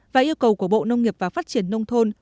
và yêu cầu của bộ nông nghiệp và phát triển nông thôn